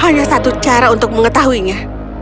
hanya satu cara untuk mengetahuinya